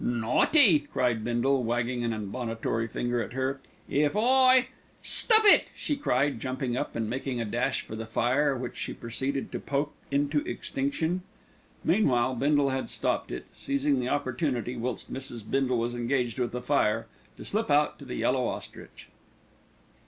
"Naughty!" cried Bindle, wagging an admonitory finger at her. "If I " "Stop it!" she cried, jumping up, and making a dash for the fire, which she proceeded to poke into extinction. Meanwhile, Bindle had stopped it, seizing the opportunity whilst Mrs. Bindle was engaged with the fire, to slip out to The Yellow Ostrich.